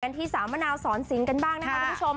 ดีกว่าในที่สามะนาวสอนสิงห์กันบ้างนะครับทุกชม